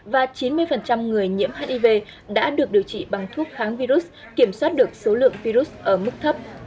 và chín mươi người nhiễm hiv đã được điều trị bằng thuốc kháng virus kiểm soát được số lượng virus ở mức thấp